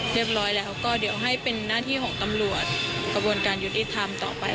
เรียบร้อยแล้วก็เดี๋ยวให้เป็นหน้าที่ของตำรวจกระบวนการยุติธรรมต่อไป